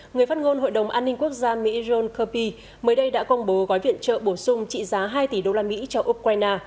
người phát ngôn hội đồng an ninh quốc gia mỹ john kirpee mới đây đã công bố gói viện trợ bổ sung trị giá hai tỷ đô la mỹ cho ukraine